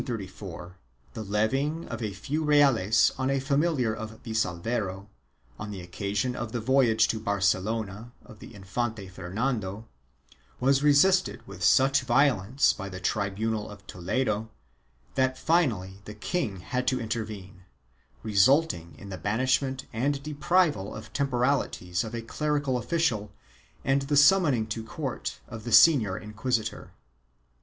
In 1634 the levying of a few reales on a familiar of Vicalvero, on the occasion of the voyage to Barcelona of the Infante Fernando, was re sisted with such violence by the tribunal of Toledo, that finally the king had to intervene, resulting in the banishment and deprival of temporalities of a clerical official and the summon ing to court of the senior inquisitor.